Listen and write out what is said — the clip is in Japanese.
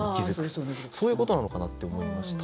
そういうことなのかなって思いました。